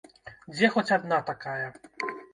Дзе хоць адна такая?